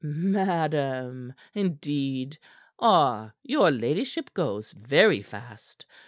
"Madam, indeed ah your ladyship goes very fast.